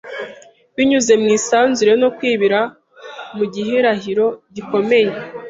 Binyuze mu isanzure no kwibira mu gihirahiro gikomeye